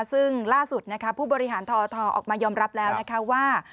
ซึ่งล่าสุดนะคะผู้บริหารททออกมายอมรับแล้วนะคะว่า